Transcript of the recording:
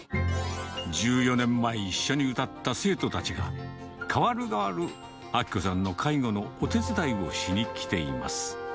１４年前、一緒に歌った生徒たちが、かわるがわる明子さんの介護のお手伝いをしに来ています。